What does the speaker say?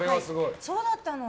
そうだったの？